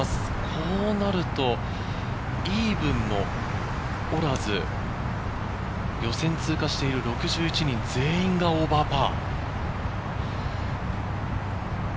こうなると、イーブンもおらず、予選通過している６１人全員がオーバーパー。